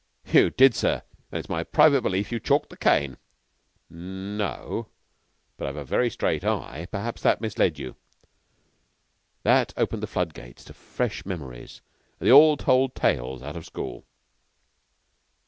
"You did, sir, and it's my private belief you chalked the cane." "N no. But I've a very straight eye. Perhaps that misled you." That opened the flood gates of fresh memories, and they all told tales out of school.